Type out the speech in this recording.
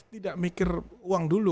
tidak mikir uang dulu